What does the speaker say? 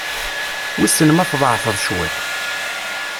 Wissen ma tḍeɛfeḍ cwiṭ?